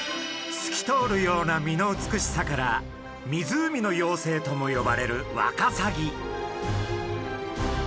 すき通るような身の美しさから「湖の妖精」とも呼ばれるワカサギ。